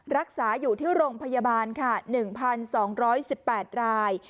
รักษาอยู่ที่โรงพยาบาลค่ะ๑๒๑๘ราย